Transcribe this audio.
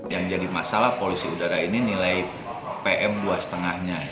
yang jadi masalah polusi udara ini nilai pm dua lima nya